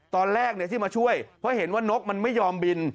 ตอนแรกที่มาช่วยเพราะเห็นว่านกมันไม่ยอมบิน